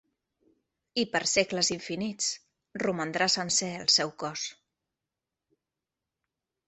I per segles infinits romandrà sencer el seu cos.